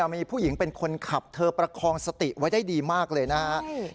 มีผู้หญิงเป็นคนขับเธอประคองสติไว้ได้ดีมากเลยนะครับ